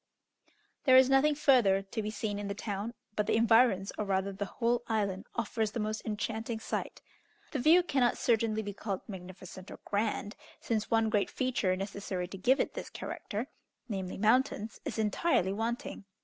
There is nothing further to be seen in the town, but the environs, or rather the whole island, offers the most enchanting sight. The view cannot certainly be called magnificent or grand, since one great feature necessary to give it this character, namely, mountains, is entirely wanting.